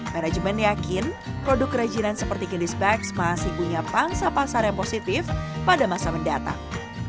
manajemen yakin produk kerajinan seperti kindis bags masih punya pangsa pasar yang positif pada masa mendatang